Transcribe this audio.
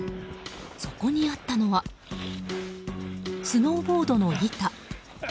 そこにあったのはスノーボードの板。